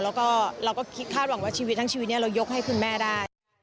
แล้วก็เราก็คิดคาดหวังว่าชีวิตทั้งชีวิตนี้เรายกให้คุณแม่ได้